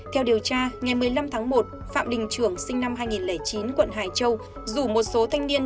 theo điều tra ngày một mươi năm tháng một phạm đình trưởng sinh năm hai nghìn chín quận hải châu rủ một số thanh niên